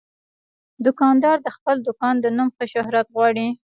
دوکاندار د خپل دوکان د نوم ښه شهرت غواړي.